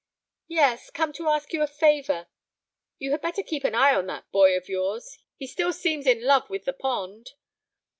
"Yes, come to ask you a favor. You had better keep an eye on that boy of yours. He still seems in love with the pond."